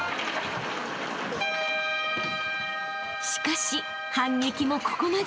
［しかし反撃もここまで。